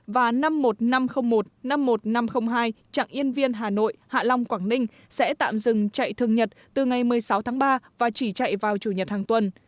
và năm mươi một nghìn năm trăm linh một năm mươi một nghìn năm trăm linh hai chặng yên viên hà nội hạ long quảng ninh sẽ tạm dừng chạy thường nhật từ ngày một mươi sáu tháng ba và chỉ chạy vào chủ nhật hàng tuần